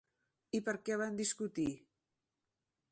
I per què van discutir?